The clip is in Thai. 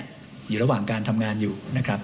อยู่ระหว่างการทำงานอยู่